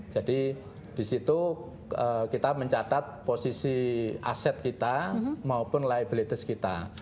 jadi di situ kita mencatat posisi aset kita maupun liabilities kita